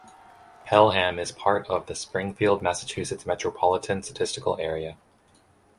Pelham is part of the Springfield, Massachusetts Metropolitan Statistical Area.